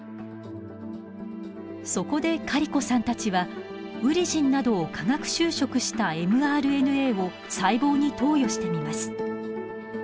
そこでカリコさんたちはウリジンなどを化学修飾したｍＲＮＡを細胞に投与してみます。